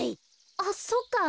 あっそっか。